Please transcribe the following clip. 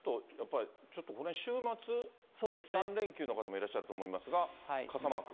ちょっとこのへん、週末３連休の方もいらっしゃると思いますが、傘マーク。